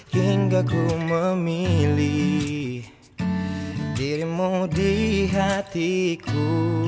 hingga ku memilih dirimu di hatiku